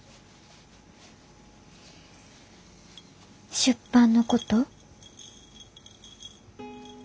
出版のこと？